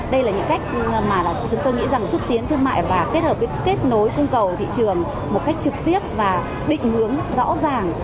đây là những cách mà chúng tôi nghĩ rằng xúc tiến thương mại và kết hợp với kết nối cung cầu thị trường một cách trực tiếp và định hướng rõ ràng